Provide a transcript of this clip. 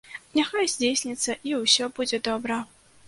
Няхай здзейсніцца, і ўсё будзе добра.